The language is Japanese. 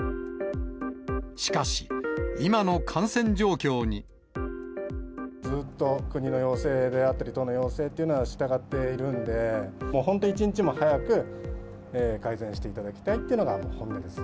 しかし、ずっと国の要請であったり、都の要請っていうのは、従っているんで、もう本当に一日も早く、改善していただきたいっていうのが本音です。